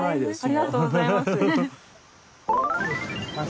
ありがとうございます。